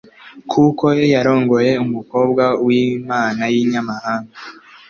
kuko yarongoye umukobwa w’imana y’inyamahanga.